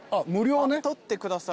撮ってくださる。